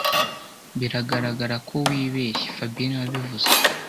Biragaragara ko wibeshye fabien niwe wabivuze